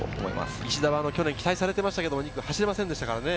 石田は去年期待されていましたけど、２区を走れませんでしたからね。